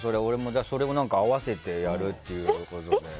それを合わせてやるっていうこと。